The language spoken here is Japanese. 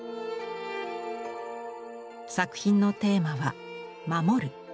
作品のテーマは「守る」。